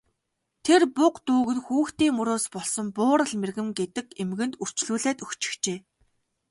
Тэр буга дүүг нь хүүхдийн мөрөөс болсон Буурал мэргэн гэдэг эмгэнд үрчлүүлээд өгчихжээ.